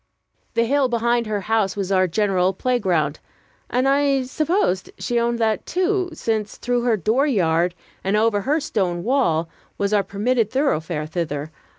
The hill behind her house was our general playground; and I supposed she owned that, too, since through her dooryard, and over her stone wall, was our permitted thoroughfare thither.